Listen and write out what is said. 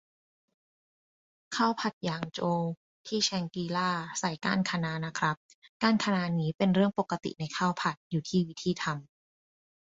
ข้าวผัดหยางโจวที่แชงกรีลาใส่ก้านคะน้านะครับ ก้านคะน้านี่เป็นเรื่องปกติในข้าวผัด อยู่ที่วิธีทำ